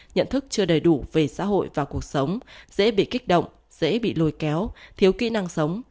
nhận thức chưa đầy đủ về xã hội và cuộc sống dễ bị kích động dễ bị lôi kéo thiếu kỹ năng sống